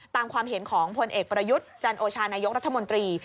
ความเห็นของพลเอกประยุทธ์จันโอชานายกรัฐมนตรี